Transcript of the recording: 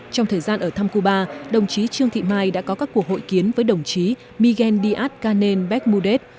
trong thời gian ở thăm cuba đồng chí trương thị mai đã có các cuộc hội kiến với đồng chí miguel díaz canel becmudev